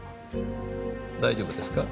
大丈夫ですか？